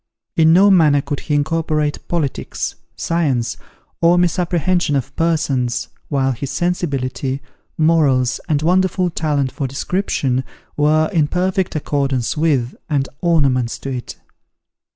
In no manner could he incorporate politics, science, or misapprehension of persons, while his sensibility, morals, and wonderful talent for description, were in perfect accordance with, and ornaments to it.